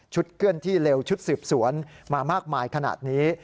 เคลื่อนที่เร็วชุดสืบสวนมามากมายขนาดนี้